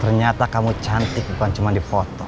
ternyata kamu cantik bukan cuma di foto